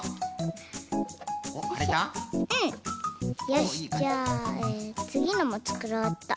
よしじゃあつぎのもつくろうっと。